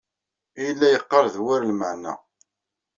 Ay yella yeqqar d war lmeɛna.